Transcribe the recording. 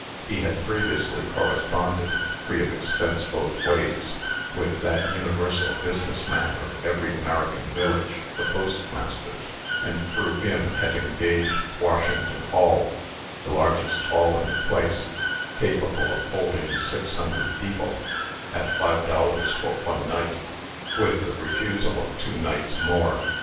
He had previously corresponded (free of expense both ways) with that universal business man of every American village, the postmaster, and, through him, had engaged Washington Hall the largest hall in the place, capable of holding six hundred people at five dollars for one night, with the refusal of two nights more.